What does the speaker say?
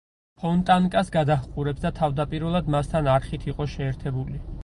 ფონტანკას გადაჰყურებს და თავდაპირველად მასთან არხით იყო შეერთებული.